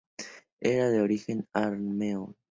Era de origen armenio.